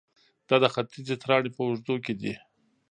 دا د ختیځې تراړې په اوږدو کې دي